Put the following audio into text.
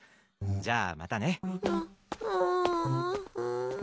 じゃあ、またね。